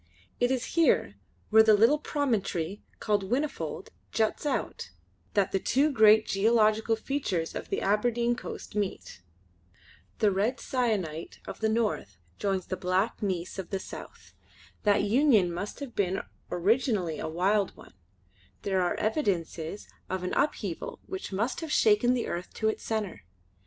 It is here, where the little promontory called Whinnyfold juts out, that the two great geological features of the Aberdeen coast meet. The red sienite of the north joins the black gneiss of the south. That union must have been originally a wild one; there are evidences of an upheaval which must have shaken the earth to its centre.